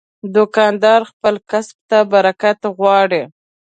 دوکاندار خپل کسب ته برکت غواړي.